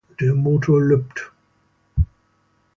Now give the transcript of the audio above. Der Motor lüppt.